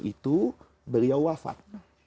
itu beliau wafat